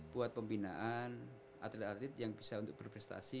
buat pembinaan atlet atlet yang bisa untuk berprestasi